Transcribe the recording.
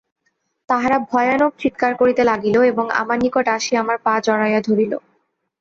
তাহারা ভয়ানক চীৎকার করিতে লাগিল এবং আমার নিকট আসিয়া আমার পা জড়াইয়া ধরিল।